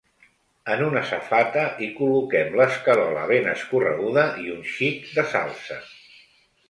En una safata, hi col·loquem l’escarola ben escorreguda i un xic de salsa.